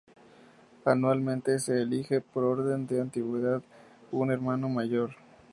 Anualmente se elige, por orden de antigüedad, un Hermano Mayor.